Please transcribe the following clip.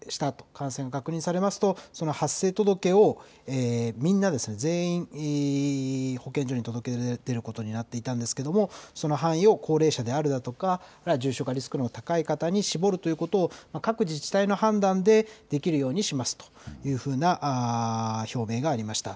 感染が確認されるますとその発生届をみんな、全員、保健所に届け出ることになっていたんですけれどもその範囲を高齢者であるとか重症化リスクの高い方に絞るということを各自治体の判断でできるようにしますというふうな表明がありました。